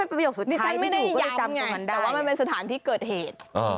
มันเป็นประโยคสุดท้ายพี่ดูก็ได้จำตรงนั้นได้นี่ฉันไม่ได้ย้ำไงแต่ว่ามันเป็นสถานที่เกิดเหตุ